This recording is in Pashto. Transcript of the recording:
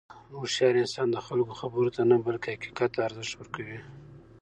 هوښیار انسان د خلکو خبرو ته نه، بلکې حقیقت ته ارزښت ورکوي.